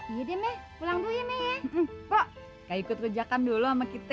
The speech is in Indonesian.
iya deh meh pulang dulu ya meh ya kok ikut kerjakan dulu sama kita